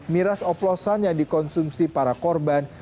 miras oplosan yang dikonsumsi para korban